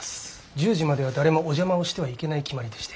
１０時までは誰もお邪魔をしてはいけない決まりでして。